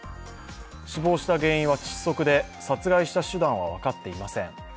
死亡した原因は窒息で殺害した手段は分かっていません。